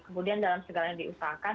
kemudian dalam segala yang diusahakan